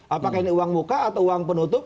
apakah ini uang muka atau uang penutup